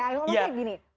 ya allah kayak gini